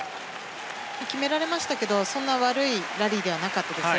決められましたけどそんなに悪いラリーではなかったですね。